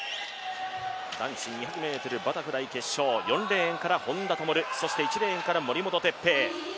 男子２００ｍバタフライ決勝４レーンから本多灯そして１レーンから森本哲平。